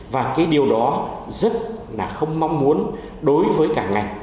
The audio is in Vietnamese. và cái điều đó rất là không mong muốn đối với cả ngành